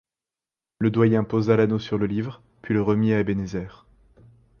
Le doyen posa l’anneau sur le livre, puis le remit à Ebenezer.